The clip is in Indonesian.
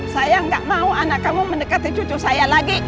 saya nggak mau anak kamu mendekati cucu saya lagi